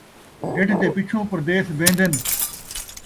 ڈڈھ دے پچھوں پردیس وین٘دن